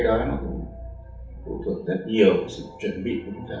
có khó khăn gì